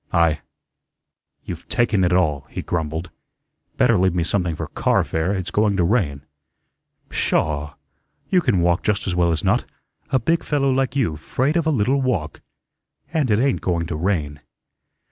"I you've taken it all," he grumbled. "Better leave me something for car fare. It's going to rain." "Pshaw! You can walk just as well as not. A big fellow like you 'fraid of a little walk; and it ain't going to rain."